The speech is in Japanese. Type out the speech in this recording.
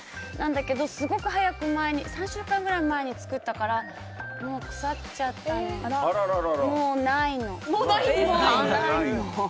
だけど、すごく早く３週間ぐらい前に作ったから腐っちゃってもう、ないの。